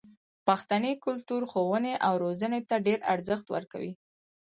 پښتني کلتور ښوونې او روزنې ته ډېر ارزښت ورکوي.